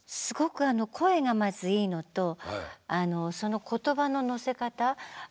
すごく声がまずいいのとその言葉ののせ方。